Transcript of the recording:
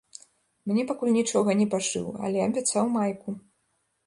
Мне пакуль нічога не пашыў, але абяцаў майку.